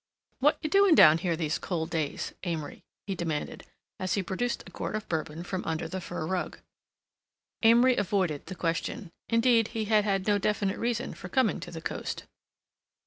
"What you doing down here these cold days, Amory?" he demanded, as he produced a quart of Bourbon from under the fur rug. Amory avoided the question. Indeed, he had had no definite reason for coming to the coast.